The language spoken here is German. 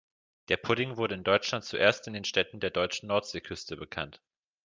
Der Pudding wurde in Deutschland zuerst in den Städten der deutschen Nordseeküste bekannt.